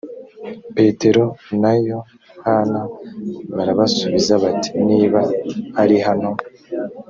petero na yohana barabasubiza bati niba ari hano